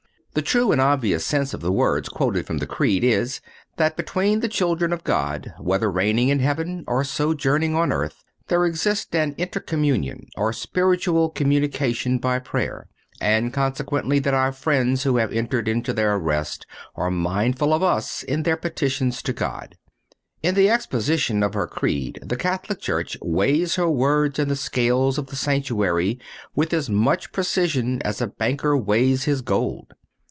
The true and obvious sense of the words quoted from the Creed is, that between the children of God, whether reigning in heaven or sojourning on earth, there exists an intercommunion, or spiritual communication by prayer; and, consequently, that our friends who have entered into their rest are mindful of us in their petitions to God. In the exposition of her Creed the Catholic Church weighs her words in the scales of the sanctuary with as much precision as a banker weighs his gold.